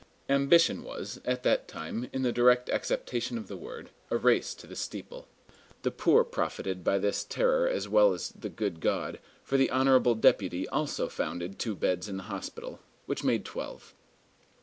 Ambition was at that time, in the direct acceptation of the word, a race to the steeple. The poor profited by this terror as well as the good God, for the honorable deputy also founded two beds in the hospital, which made twelve.